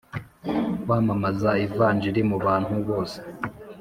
kwamamaza Ivanjili mu bantu bose